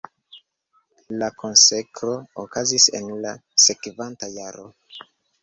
La konsekro okazis en la sekvanta jaro.